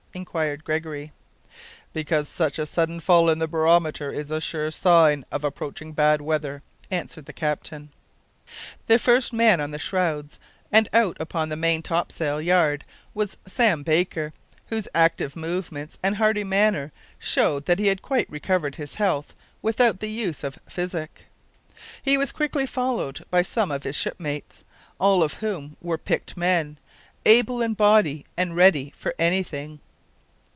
inquired Gregory. "Because such a sudden fall in the barometer is a sure sign of approaching bad weather," answered the captain. The first man on the shrouds and out upon the main topsail yard was Sam Baker, whose active movements and hearty manner showed that he had quite recovered his health without the use of physic. He was quickly followed by some of his shipmates, all of whom were picked men able in body and ready for anything.